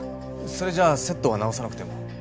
それじゃあセットは直さなくても。